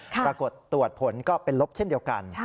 ปรากฏตรวจผลก็เป็นลบเช่นเดียวกัน